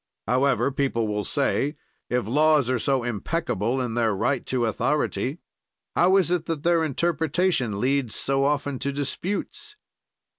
However, people will say, if laws are so impeccable in their right to authority, how is it that their interpretation leads so often to disputes?